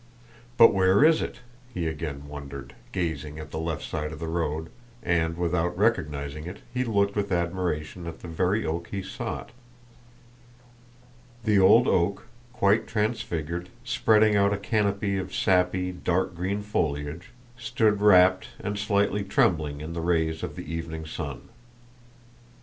"But where is it?" he again wondered, gazing at the left side of the road, and without recognizing it he looked with admiration at the very oak he sought. The old oak, quite transfigured, spreading out a canopy of sappy dark green foliage, stood rapt and slightly trembling in the rays of the evening sun.